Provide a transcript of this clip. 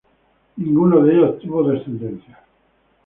Ninguno de ellos tuvo descendencia.